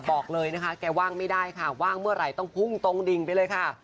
บอกเลยนะคะแกว่างไม่ได้ค่ะว่างเมื่อไหร่ต้องพุ่งตรงดิ่งไปเลยค่ะ